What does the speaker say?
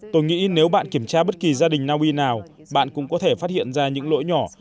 tôi nghĩ nếu bạn kiểm tra bất kỳ gia đình naui nào bạn cũng có thể phát hiện ra những lỗi nhỏ